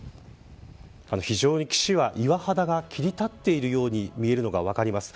非常に岸は、岩肌が切り立っているように見えるのが分かります。